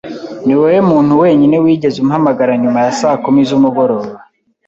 Niwowe muntu wenyine wigeze umpamagara nyuma ya saa kumi z'umugoroba